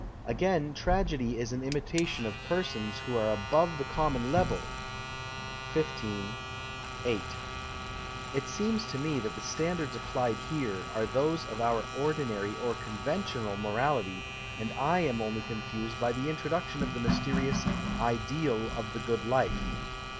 Again, tragedy is an imitation of persons who are above the common level (XV. 8). It seems to me that the standards aj)plied here are those of our ordinary, or eon\entional, morality, and I am only confused by the introduction of the mysterious " ideal of the good life.''